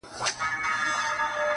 • بیا په شیطانه په مکاره ژبه -